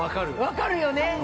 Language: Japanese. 分かるよね！